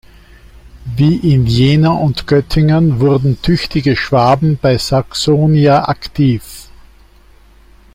Wie in Jena und Göttingen wurden tüchtige Schwaben bei Saxonia aktiv.